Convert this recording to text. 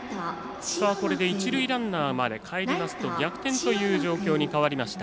一塁ランナーまでかえりますと逆転という状況に変わりました。